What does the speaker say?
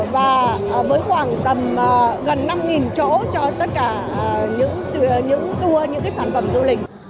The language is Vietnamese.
và với khoảng tầm gần năm chỗ cho tất cả những tour những sản phẩm du lịch